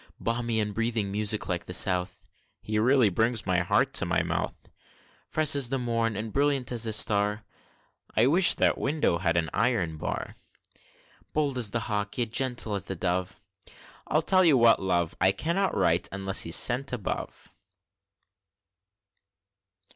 Balmy and breathing music like the South, (He really brings my heart into my mouth!) Fresh as the morn, and brilliant as its star, (I wish that window had an iron bar!) Bold as the hawk, yet gentle as the dove, (I'll tell you what, my love, I cannot write, unless he's sent above!)